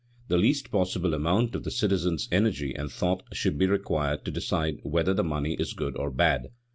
The least possible amount of the citizen's energy and thought should be required to decide whether the money is good or bad.